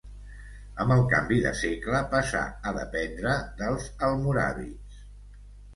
Amb el canvi de segle, passà a dependre dels almoràvits.